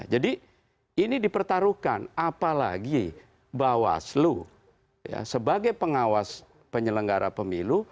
jadi ini dipertaruhkan apalagi bahwa slu sebagai pengawas penyelenggara pemilu